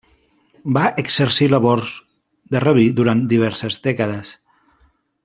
Va exercir labors de rabí durant diverses dècades.